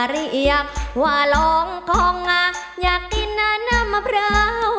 เรียกว่าลองของอยากกินน้ำเผลา